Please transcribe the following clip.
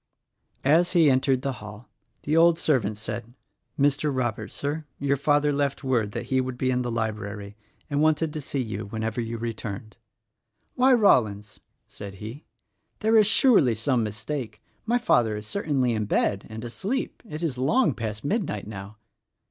As he entered the hall the old servant said, "Mr. Rob ert, Sir, your father left word that he would be in the library and wanted to see you whenever vou returned." 22 THE RECORDING ANGEL 23 "Why, Rollins," said he, "there is surely some mistake — my father is certainly in bed and asleep; it is long past midnight now."